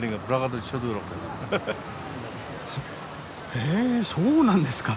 へえそうなんですか。